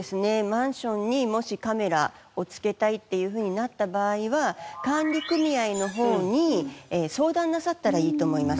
マンションにもしカメラをつけたいっていうふうになった場合は管理組合の方に相談なさったらいいと思います。